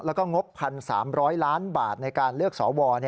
แล้วก็งบ๑๓๐๐ล้านบาทในการเลือกสว